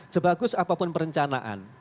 sebagus apapun perencanaan